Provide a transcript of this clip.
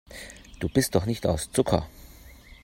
Du bist doch nicht aus Zucker.